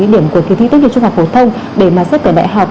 để mà xét tuyển đại học